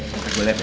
ntar gue liat ya